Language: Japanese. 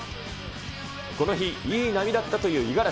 この日、いい波だったという五十嵐。